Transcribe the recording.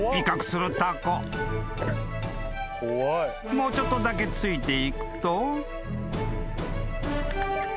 ［もうちょっとだけついていくと］